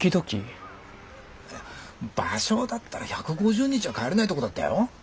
芭蕉だったら１５０日は帰れないとこだったよ。